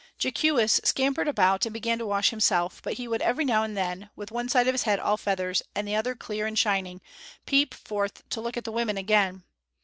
Jeekewis scampered about and began to wash himself; but he would every now and then, with one side of his head all feathers and the other clear and shining, peep forth to look at the women again.